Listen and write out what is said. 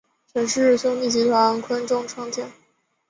陈氏兄弟集团昆仲创建。